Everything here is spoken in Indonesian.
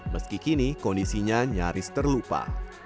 meski kini kondisinya nyaris terlupa